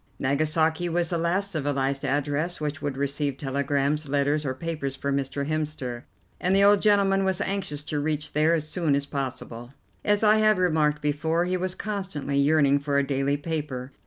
Nagasaki was the last civilized address which would receive telegrams, letters or papers for Mr. Hemster, and the old gentleman was anxious to reach there as soon as possible. As I have remarked before, he was constantly yearning for a daily paper.